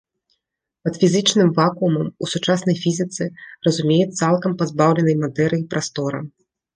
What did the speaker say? Пад фізічным вакуумам у сучаснай фізіцы разумеюць цалкам пазбаўленай матэрыі прастора.